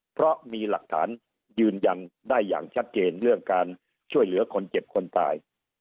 เพราะมีหลักฐานยืนยันได้อย่างชัดเจนเรื่องการช่วยเหลือคนเจ็บคนตาย